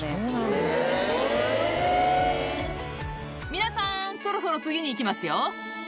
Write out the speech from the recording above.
皆さんそろそろ次に行きますよ